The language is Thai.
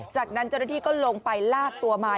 จากนั้นเจ้าหน้าที่ก็ลงไปลากตัวมา